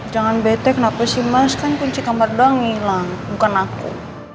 jangan betek kenapa sih mas kan kunci kamar doang hilang bukan aku